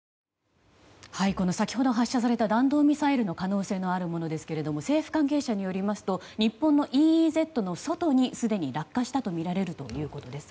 先ほど発射された弾道ミサイルの可能性のあるものですが政府関係者によりますと日本のＥＥＺの外にすでに落下したとみられるということです。